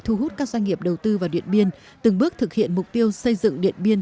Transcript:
thu hút các doanh nghiệp đầu tư vào điện biên từng bước thực hiện mục tiêu xây dựng điện biên